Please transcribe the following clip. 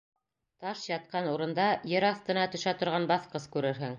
Таш ятҡан урында ер аҫтына төшә торған баҫҡыс күрерһең.